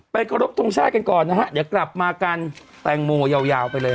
ขอรบทรงชาติกันก่อนนะฮะเดี๋ยวกลับมากันแตงโมยาวไปเลย